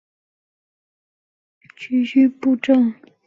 曾任中国人民解放军北京军区后勤部军需部政委。